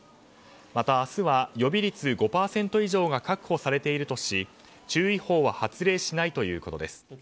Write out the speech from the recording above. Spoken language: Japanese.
また、明日は予備率５％以上が確保されているとし注意報は発令しないということです。